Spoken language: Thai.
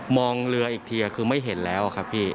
งเรืออีกทีคือไม่เห็นแล้วครับพี่